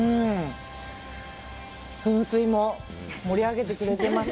噴水も盛り上げてくれています